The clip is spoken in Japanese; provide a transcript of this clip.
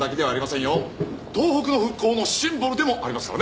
東北の復興のシンボルでもありますからね。